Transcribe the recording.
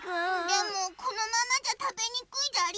でもこのままじゃたべにくいじゃり。